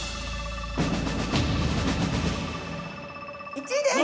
１位です。